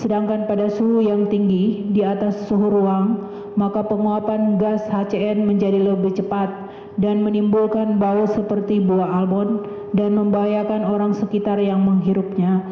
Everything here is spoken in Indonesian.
sedangkan pada suhu yang tinggi di atas suhu ruang maka penguapan gas hcn menjadi lebih cepat dan menimbulkan bau seperti buah almon dan membahayakan orang sekitar yang menghirupnya